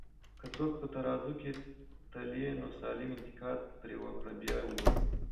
که څوک په ترازو کي تلې، نو سالم انتقاد پرې وکړه بیا وګوره